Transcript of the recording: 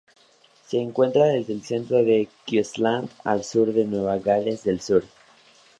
Se encuentra desde el centro de Queensland al sur de Nueva Gales del Sur.